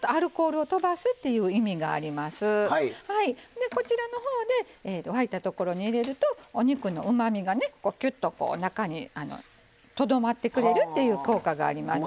でこちらの方で沸いたところに入れるとお肉のうまみがねきゅっとこう中にとどまってくれるっていう効果がありますね。